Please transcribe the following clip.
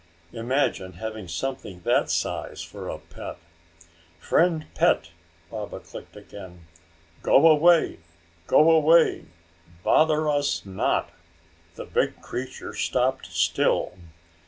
Imagine having something that size for a pet! "Friend pet!" Baba clicked again, "Go away! Go away! Bother us not!" The big creature stopped still.